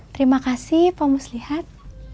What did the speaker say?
terima kasih pak muslihat